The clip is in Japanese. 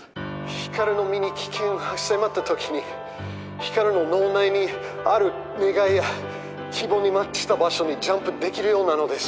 光の身に危険が迫った時に光の脳内にある願いや希望にマッチした場所にジャンプできるようなのです。